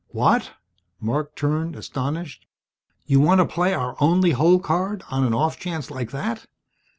"What?" Marc turned, astonished. "You want to play our only hole card on an off chance like that?